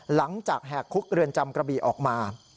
หลังจากแหกคุกเรือนจำกระบีออกมา